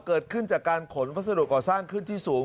เกิดขึ้นจากการขนวัสดุก่อสร้างขึ้นที่สูง